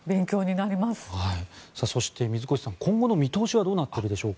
そして水越さん今後の見通しはどうなっていますか？